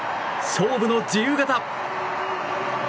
勝負の自由形。